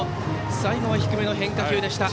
最後は低めの変化球でした。